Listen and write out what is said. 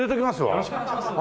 よろしくお願いします。